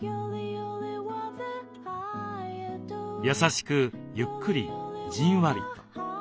優しくゆっくりじんわりと。